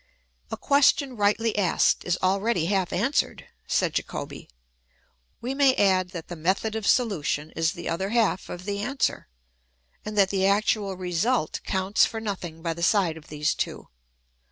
A question rightly asked is already half answered, said Jacobi ; we may add that the method of solution is the other half of the answer, and that the actual result counts for nothing by the side of these two.